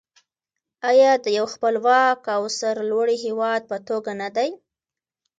آیا د یو خپلواک او سرلوړي هیواد په توګه نه دی؟